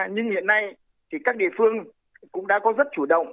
nhưng hiện nay thì các địa phương cũng đã có rất chủ động